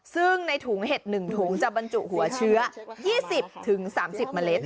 ซึ่งในถุงเห็ด๑ถุงจะบรรจุหัวเชื้อ๒๐๓๐เมล็ด